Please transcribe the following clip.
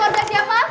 masak apa pak